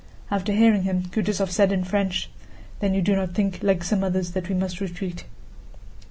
After hearing him, Kutúzov said in French: "Then you do not think, like some others, that we must retreat?"